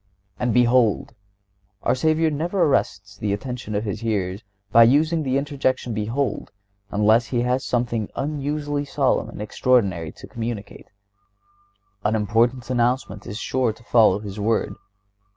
"And behold!" Our Savior never arrests the attention of His hearers by using the interjection, behold, unless when He has something unusually solemn and extraordinary to communicate. An important announcement is sure to follow this word.